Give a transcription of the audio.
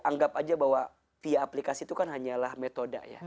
anggap aja bahwa via aplikasi itu kan hanyalah metode ya